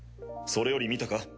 それより見たか？